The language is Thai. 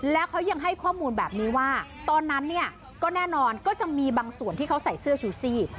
แล้วเขายังให้ข้อมูลแบบนี้ว่าตอนนั้นเนี่ยก็แน่นอนก็จะมีบางส่วนที่เขาใส่เสื้อชูซี่